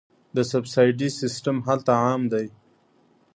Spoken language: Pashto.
د سبسایډي سیستم هلته عام دی.